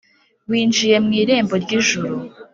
winjiye mu irembo ry'ijuru.